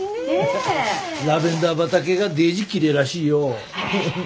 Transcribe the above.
ラベンダー畑がデージきれいらしいよぅ。